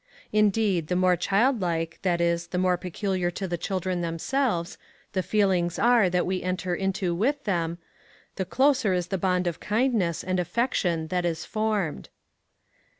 Indeed, the more child like, that is, the more peculiar to the children themselves, the feelings are that we enter into with them, the closer is the bond of kindness and affection that is formed.